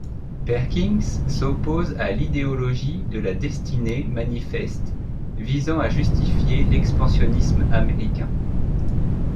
Perkins s'oppose à l'idéologie de la Destinée manifeste visant à justifier l'expansionisme américain.